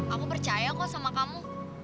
aku percaya kok sama kamu